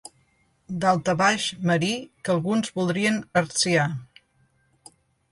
Daltabaix marí que alguns voldrien hertzià.